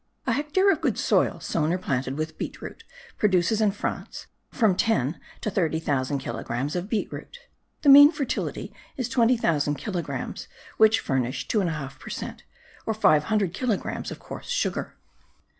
A hectare of good soil, sown or planted with beet root, produces in France from ten to thirty thousand kilogrammes of beet root. The mean fertility is 20,000 kilogrammes, which furnish 2 1/2 per cent, or five hundred kilogrammes of coarse sugar.